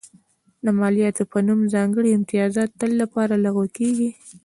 د مالیاتو په نوم ځانګړي امتیازات تل لپاره لغوه کېږي.